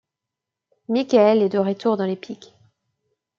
Mikael est de retour dans l'Épik.